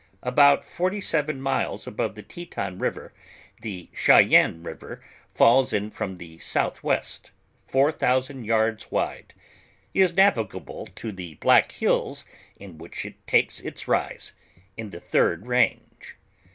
About forty seven miles above the Teton river, the Chaycnne river falls in from the sou f ,h west, four thousand yards wide; is navigable to the Black Hills, in which it takes its rise, in the third range.